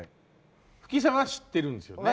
吹石さんは知ってるんですよね？